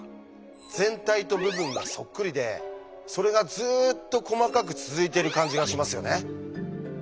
全体と部分がそっくりでそれがずっと細かく続いている感じがしますよね。